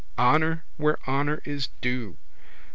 Honour where honour is due.